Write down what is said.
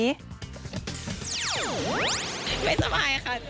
ไม่สบายค่ะติดหวัดมาจากกองละครค่ะ